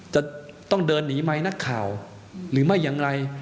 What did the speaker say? จะต้องเดินหนีไหมนักข่าวหรือไม่อย่างไร